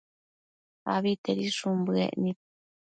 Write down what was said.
abitedishun bëec nid